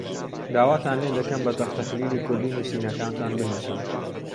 داواتان لێ دەکەم بە تەختەکلیلی کوردی نووسینەکانتان بنووسن.